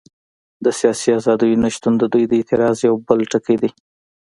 د سیاسي ازادیو نه شتون د دوی د اعتراض یو بل ټکی دی.